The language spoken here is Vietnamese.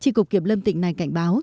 chỉ cục kiểm lâm tỉnh này cảnh báo